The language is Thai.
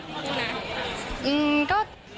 ก็เป็นเขียงครอบครัวนะ